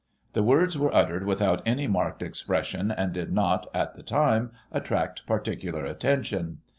The words were uttered without any marked expression, and did not, at the time, attract particular attention.